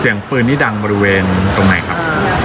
เสียงปืนนี่ดังบริเวณตรงไหนครับ